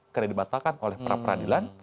karena dibatalkan oleh pra peradilan